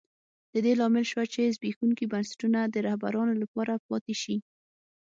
د دې لامل شوه چې زبېښونکي بنسټونه د رهبرانو لپاره پاتې شي.